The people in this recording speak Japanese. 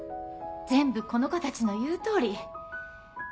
全部この子たちの言う通り。